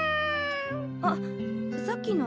あっさっきの。